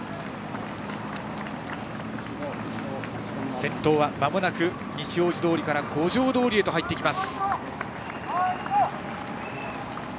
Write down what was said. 先頭はまもなく西大路通から五条通へと入っていきます。